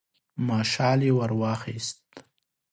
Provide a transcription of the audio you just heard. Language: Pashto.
مشعل يې ور واخيست.